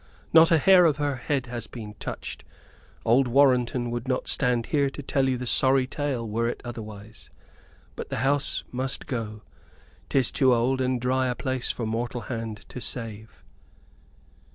"Not a hair of her head has been touched. Old Warrenton would not stand here to tell you the sorry tale were it otherwise. But the house must go; 'tis too old and dry a place for mortal hand to save."